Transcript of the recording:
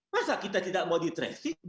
masa kita tidak mau di tracing